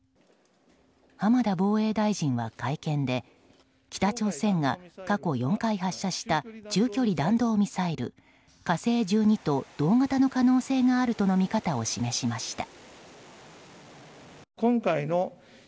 浜田防衛大臣は会見で北朝鮮が過去４回発射した中距離弾道ミサイル「火星１２」と同型の可能性があるとの見方を示しました。